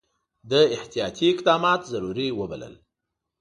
ده احتیاطي اقدامات ضروري وبلل.